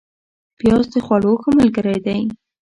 پیاز د خوړو ښه ملګری دی